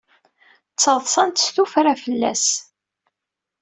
Ttaḍsant s tuffra fell-as.